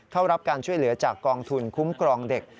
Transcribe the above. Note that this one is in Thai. เข้ารับการช่วยเหลือจากกองทุนคุ้มครองเด็ก